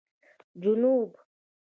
جنوب